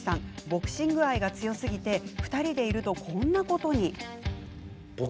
ボクシング愛が強すぎて２人でいると、こんなことに。